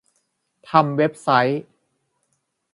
ทำเว็บไซต์